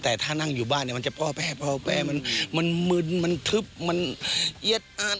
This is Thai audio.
แต่ถ้านั่งอยู่บ้านเนี่ยมันจะพอแพร่มันมึนมันทึบมันเอียดอ้าน